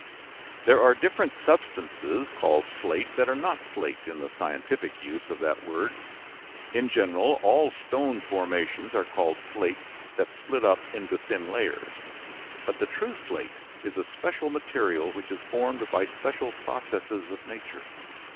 There are different substances called slate that are not slate in the scientific use of that word. In general all stone formations are called slates that split up into thin layers. But the true slate is a special material which is formed by special processes of nature.